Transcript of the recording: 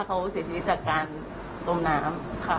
แท้ส่วนใหญ่อยู่ที่ด้านล่างของร่างกาย